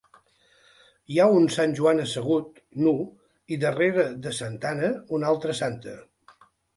Hi ha un Sant Joan assegut, nu, i darrere de Santa Anna, una altra santa.